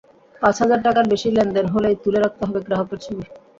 পাঁচ হাজার টাকার বেশি লেনদেন হলেই তুলে রাখতে হবে গ্রাহকের ছবি।